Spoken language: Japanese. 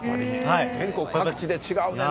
全国各地で違うねんな。